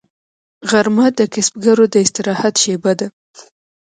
غرمه د کسبګرو د استراحت شیبه ده